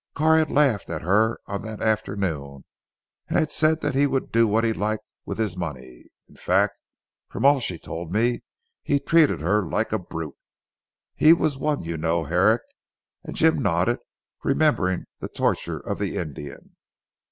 Carr had laughed at her on that afternoon, and had said that he would do what he liked with his money. In fact from all she told me, he treated her like a brute; he was one you know Herrick," and Jim nodded, remembering the torture of the Indian.